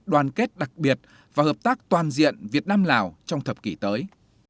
đoàn kết đặc biệt và hợp tác toàn diện việt nam lào trong thập kỷ tới